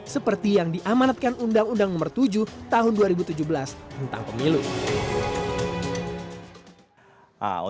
seperti yang diamanatkan undang undang nomor tujuh tahun dua ribu tujuh belas tentang pemilu